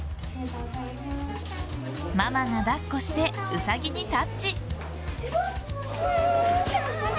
ママが抱っこしてウサギにタッチ。